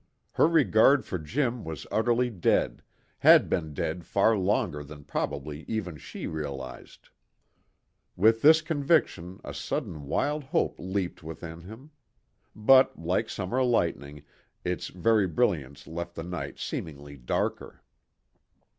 Her regard for Jim was utterly dead, had been dead far longer than probably even she realized. With this conviction a sudden wild hope leapt within him; but, like summer lightning, its very brilliancy left the night seemingly darker.